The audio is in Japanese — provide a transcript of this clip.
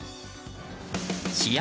試合